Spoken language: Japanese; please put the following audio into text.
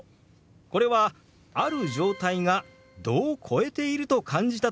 これはある状態が度を超えていると感じた時に使える表現なんです。